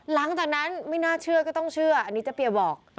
หลังจากนั้นไม่น่าเชื่อก็ต้องเชื่ออันนี้เจ๊เปียบอก